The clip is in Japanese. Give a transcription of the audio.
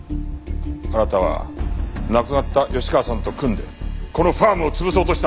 あなたは亡くなった吉川さんと組んでこのファームを潰そうとした！